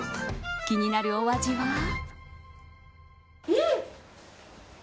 気になるお味は。